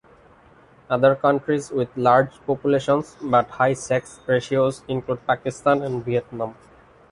Other countries with large populations but high sex ratios include Pakistan and Vietnam.